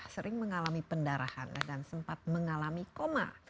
sering mengalami pendarahan dan sempat mengalami koma